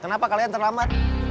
kenapa kalian terlambat